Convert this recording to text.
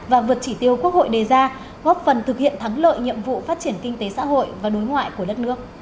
và vượt chỉ tiêu quốc hội đề ra góp phần thực hiện thắng lợi nhiệm vụ phát triển kinh tế xã hội và đối ngoại của đất nước